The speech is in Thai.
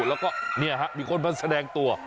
แล้วก็นี่ฮะมีคนมาแสดงตัว